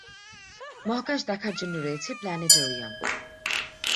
মহাকাশ দেখার জন্য রয়েছে প্লানেটোরিয়াম।